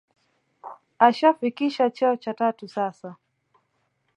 Ashafikisha cheo cha tatu sasa